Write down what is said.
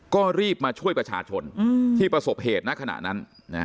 ก็รีบมาช่วยประชาชนที่ประสบเหตุณขณะนั้น